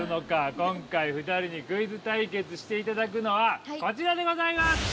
今回２人にクイズ対決していただくのはこちらでございます！